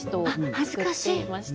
恥ずかしい。